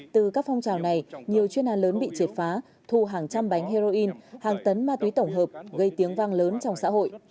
từ các phong trào này nhiều chuyên án lớn bị triệt phá thu hàng trăm bánh heroin hàng tấn ma túy tổng hợp gây tiếng vang lớn trong xã hội